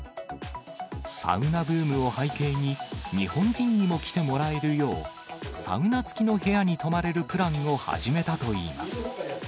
サウナブームを背景に、日本人にも来てもらえるよう、サウナ付きの部屋に泊まれるプランを始めたといいます。